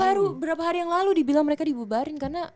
baru beberapa hari yang lalu dibilang mereka dibubarin karena